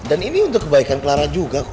dan ini untuk kebaikan clara juga